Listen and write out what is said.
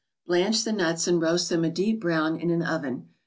Blanch the nuts, and roast them a deep brown in an oven.